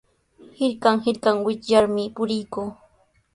Hirkan hirkan wichyarmi purikuu.